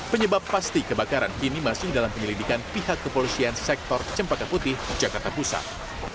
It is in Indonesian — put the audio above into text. penyebab pasti kebakaran ini masih dalam penyelidikan pihak kepolisian sektor cempaka putih jakarta pusat